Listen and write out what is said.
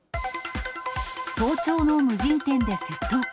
早朝の無人店で窃盗か。